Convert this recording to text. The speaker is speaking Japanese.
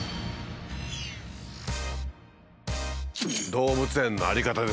動物園の在り方ですか。